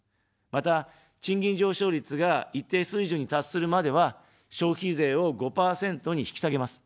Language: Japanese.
また、賃金上昇率が一定水準に達するまでは、消費税を５％に引き下げます。